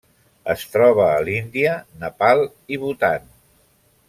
Es troba a l'Índia, Nepal i Bhutan.